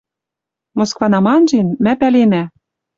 Москванам анжен, мӓ пӓленӓ